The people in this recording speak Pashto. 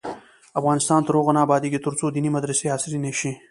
افغانستان تر هغو نه ابادیږي، ترڅو دیني مدرسې عصري نشي.